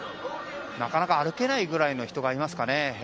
なかなか歩けないぐらいの人がいますかね。